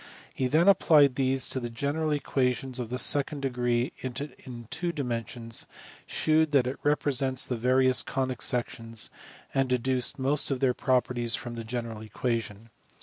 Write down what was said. He then applied these to the general equation of the second degree in two dimensions, shewed that it represents the various conic sections, and deduced most of their properties from the general equation.